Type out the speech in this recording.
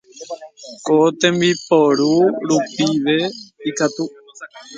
Ko tembiporu rupive ikatu